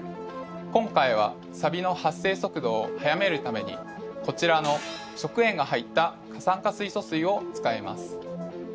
今回はサビの発生速度を速めるためにこちらの食塩が入った過酸化水素水を使います。